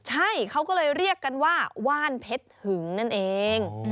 ใช่เขาก็เลยเรียกกันว่าว่านเพชรหึงนั่นเอง